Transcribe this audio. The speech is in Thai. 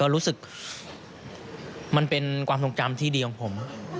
รู้สึกมันเป็นความทรงจำที่ดีของผม